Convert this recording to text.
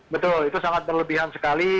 betul itu sangat berlebihan sekali